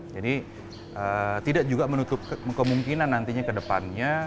jadi tidak juga menutup kemungkinan nantinya ke depannya